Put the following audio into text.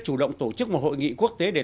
chủ động tổ chức một hội nghị quốc tế để